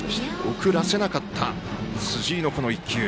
送らせなかった、辻井の一球。